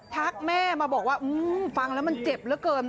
แม่มาบอกว่าฟังแล้วมันเจ็บเหลือเกิน